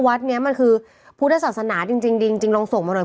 วัดเนี้ยมันคือพุทธศาสนาจริงจริงจริงจริงจริงลองส่งมาหน่อย